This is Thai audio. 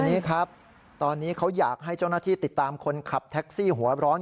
ทีนี้ครับตอนนี้เขาอยากให้เจ้าหน้าที่ติดตามคนขับแท็กซี่หัวร้อน